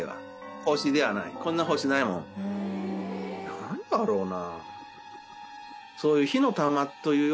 何だろうな。